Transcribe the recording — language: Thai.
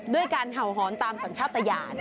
ด้วยการเหาหอนตามสนชาตญา